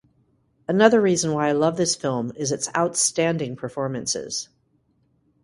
Another reason why I love this film is its outstanding performances.